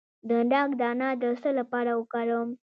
د ناک دانه د څه لپاره وکاروم؟